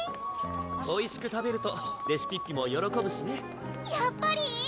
おいしく食べるとレシピッピもよろこぶしねやっぱり？